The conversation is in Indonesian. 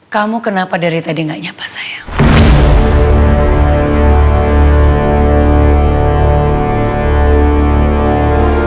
kamu kenapa dari tadi gak nyapa saya